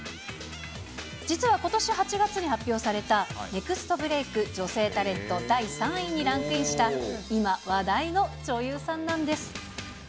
実はことし８月に発表されたネクストブレイク女性タレント第３位にランクインした、今話題の女優さんなんです。